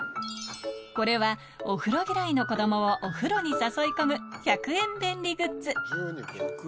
これはお風呂嫌いの子どもをお風呂に誘い込む１００円便利グッズ１００円なんだ。